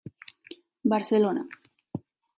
Barcelona: